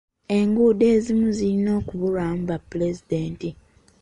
Enguudo ezimu zirina okubbulwamu bapulezidenti.